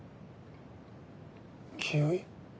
清居？